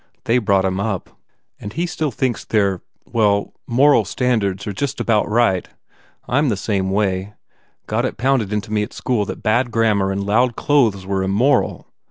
They brought him up. And he still thinks their ... well, moral standards are just about right. I m the same way. Got it pounded into me at school that bad grammar and loud clothes were immoral.